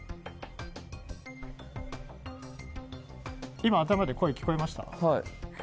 今、頭で声聞こえました？